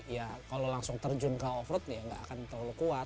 ya kalau langsung terjun ke off road ya nggak akan terlalu kuat